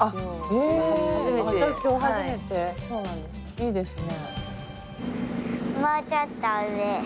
いいですね。